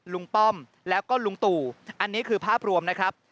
ป้อมแล้วก็ลุงตู่อันนี้คือภาพรวมนะครับ